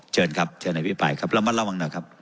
เชิญครับเชิญให้พี่ปลายครับแล้วมาระวังหน่อยครับ